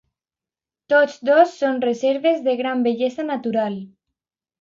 Tots dos són reserves de gran bellesa natural.